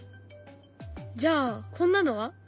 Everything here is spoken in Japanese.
じゃあこんなのは？